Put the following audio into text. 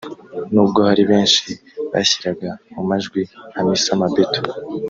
n’ubwo hari benshi bashyiraga mu majwi Hamisa Mabetto